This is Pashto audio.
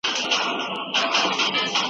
د پور وړي پور ورکړئ.